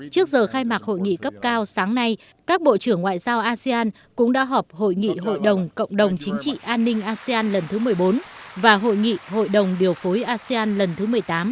trước giờ khai mạc hội nghị cấp cao sáng nay các bộ trưởng ngoại giao asean cũng đã họp hội nghị hội đồng cộng đồng chính trị an ninh asean lần thứ một mươi bốn và hội nghị hội đồng điều phối asean lần thứ một mươi tám